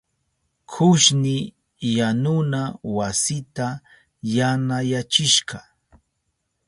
Kushni yanuna wasita yanayachishka.